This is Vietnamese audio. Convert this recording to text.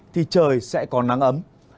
trời sẽ có nắng ấm